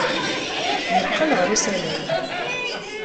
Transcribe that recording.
Yeqqel ɣer usalay.